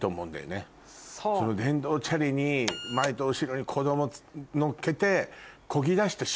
電動チャリに前と後ろに子供乗っけて。